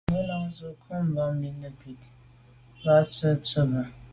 Ngelan ze nkum ba’ mi nekut là bag tswe’ tseba’.